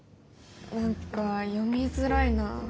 何か読みづらいなあ。